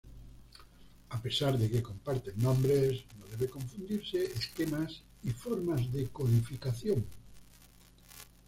A pesar de que comparten nombres, no debe confundirse esquemas y formas de codificación.